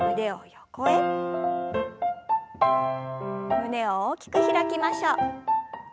胸を大きく開きましょう。